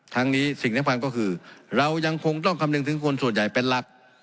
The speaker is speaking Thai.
ทั้งนี้สิ่งสำคัญก็คือเรายังคงต้องคำนึงถึงคนส่วนใหญ่เป็นหลัก